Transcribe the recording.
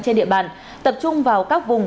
trên địa bàn tập trung vào các vùng